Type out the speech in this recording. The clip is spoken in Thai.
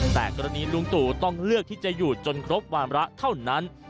แต่กรณีลุงตู่ต้องเลือกที่จะอยู่จนครบวามระเท่านั้น